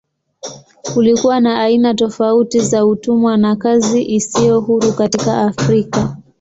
Kulikuwa na aina tofauti za utumwa na kazi isiyo huru katika Afrika.